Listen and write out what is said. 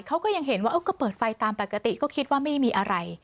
เขาก็ยังเห็นว่าก็เปิดไฟตามปกติก็คิดว่าไม่มีอะไร